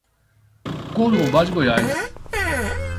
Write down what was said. Corumbá de Goiás